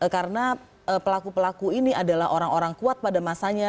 karena pelaku pelaku ini adalah orang orang kuat pada masanya